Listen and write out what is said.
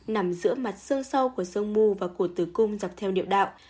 nằm giữa mặt sơn sâu của sông mù và của tử cung dọc theo niệu đạo